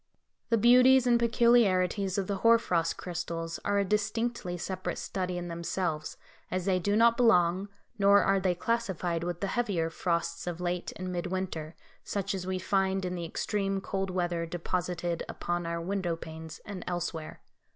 The beauties and peculiarities of the hoar frost crystals are a distinctly separate study in themselves, as they do not belong, nor are they classified with the heavier frosts of late and mid winter, such as we find in the extreme cold weather deposited upon our window panes and elsewhere.